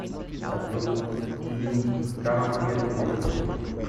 Das wird ihn garantiert irritieren.